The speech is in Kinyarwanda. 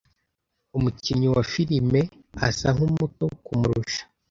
Umukinnyi wa filime asa nkumuto kumurusha.